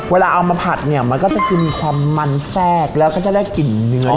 เวลาเอามาผัดเนี่ยมันก็จะคือมีความมันแทรกแล้วก็จะได้กลิ่นเนื้อ